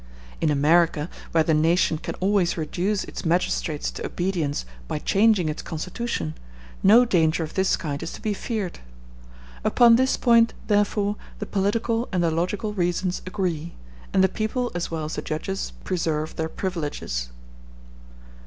In America, where the nation can always reduce its magistrates to obedience by changing its constitution, no danger of this kind is to be feared. Upon this point, therefore, the political and the logical reasons agree, and the people as well as the judges preserve their privileges.